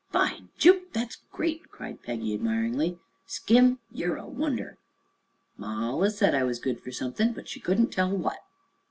"By Jupe, thet's great!" cried Peggy admiringly. "Skim, ye're a wonder!" "Ma allus said I were good fer somethin', but she couldn't tell what."